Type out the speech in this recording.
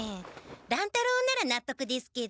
乱太郎ならなっとくですけど。